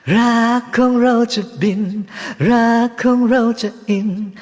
รักของเราจะดินรักของเราจะอิน